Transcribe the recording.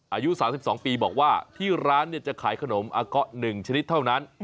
อายุ๓๒ปีบอกว่าที่ร้านจะขายขนมอาเกาะ๑ชนิดเท่านั้น